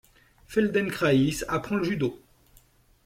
Feldenkrais apprend le Judo.